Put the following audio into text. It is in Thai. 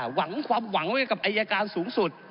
หวังความหวังไว้กับอายการสูงสุด